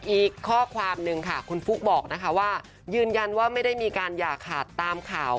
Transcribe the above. อีกข้อความหนึ่งค่ะคุณฟุ๊กบอกนะคะว่ายืนยันว่าไม่ได้มีการอย่าขาดตามข่าว